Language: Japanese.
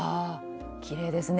きれいですね。